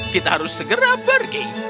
kita harus segera pergi